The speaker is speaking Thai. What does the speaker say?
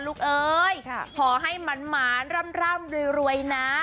เอ้ยขอให้หมานร่ำรวยนะ